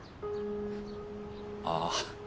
ああ。